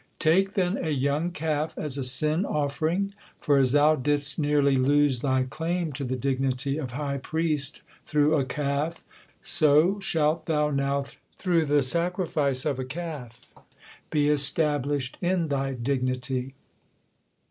Take then a young calf as a sin offering, for as thou didst nearly lose thy claim to the dignity of high priest through a calf, so shalt thou now through the sacrifice of a calf be established in thy dignity."